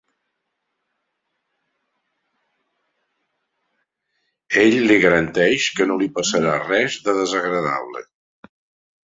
Ell li garanteix que no li passarà res de desagradable.